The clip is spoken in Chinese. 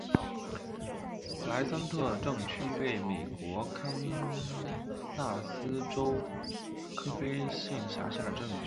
普莱森特镇区为美国堪萨斯州科菲县辖下的镇区。